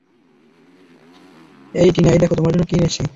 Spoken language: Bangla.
এই টিনা, দেখো তোমার জন্য কি এনেছি।